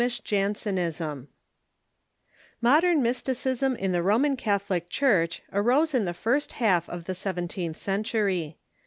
] Modern Mysticism in the Roman Catliolic Church arose in the iirst half of the seventeenth century.